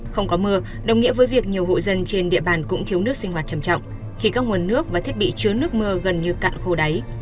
không có mưa đồng nghĩa với việc nhiều hộ dân trên địa bàn cũng thiếu nước sinh hoạt trầm trọng khi các nguồn nước và thiết bị chứa nước mưa gần như cạn khô đáy